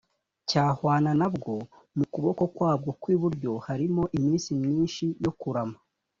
cyahwana na bwo mu kuboko kwabwo kw iburyo harimo iminsi myinshi yo kurama